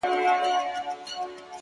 • وطن به هلته سور او زرغون سي -